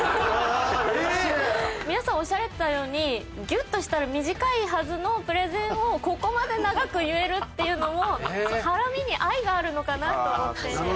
皆さんおっしゃられてたようにギュッとした短いはずのプレゼンをここまで長く言えるっていうのもハラミに愛があるのかなと思って。